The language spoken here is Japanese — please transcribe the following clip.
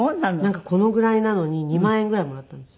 なんかこのぐらいなのに２万円ぐらいもらったんですよ。